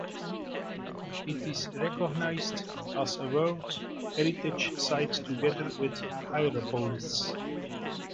It is recognized as a World Heritage Site together with Hierapolis.